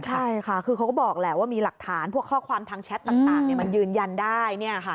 ใช่ค่ะคือเขาก็บอกแหละว่ามีหลักฐานพวกข้อความทางแชทต่างมันยืนยันได้